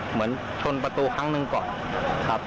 เหมือนชนประตูครั้งหนึ่งก่อนครับ